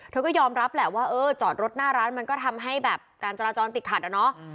ก็ยอมรับแหละว่าเออจอดรถหน้าร้านมันก็ทำให้แบบการจราจรติดขัดอะเนาะ